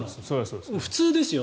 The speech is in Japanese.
普通ですよ。